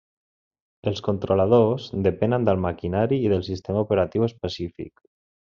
Els controladors depenen del maquinari i del sistema operatiu específic.